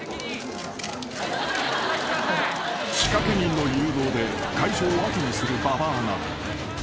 ［仕掛け人の誘導で会場を後にする馬場アナ］